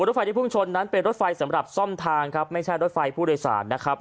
รถไฟที่พุ่งชนนั้นเป็นรถไฟสำหรับซ่อมทางครับไม่ใช่รถไฟผู้โดยสารนะครับ